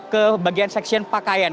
ke bagian seksian pakaian